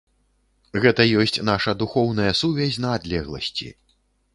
Гэта ёсць наша духоўная сувязь на адлегласці.